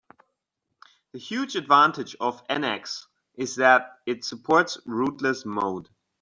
The huge advantage of NX is that it supports "rootless" mode.